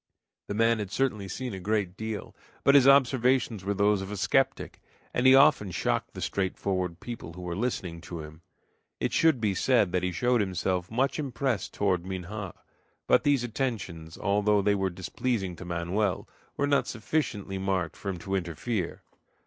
The man had certainly seen a great deal, but his observations were those of a skeptic, and he often shocked the straightforward people who were listening to him. It should be said that he showed himself much impressed toward Minha. But these attentions, although they were displeasing to Manoel, were not sufficiently marked for him to interfere.